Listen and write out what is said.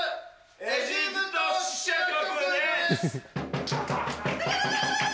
エジプト支社局です。